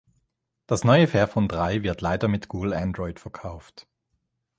Das neue Fairphone drei wird leider mit Google Android verkauft.